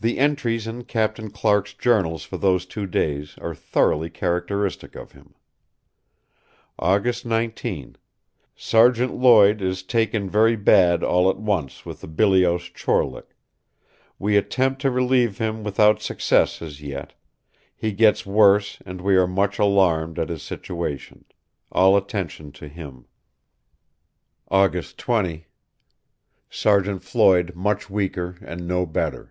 The entries in Captain Clark's journals for those two days are thoroughly characteristic of him: "August 19.... Serjeant loyd is taken verry bad all at once with a Biliose Chorlick we attempt to reliev him without success as yet, he gets worse and we are much allarmed at his situation, all attention to him...." "August 20.... Sergeant Floyd much weaker and no better....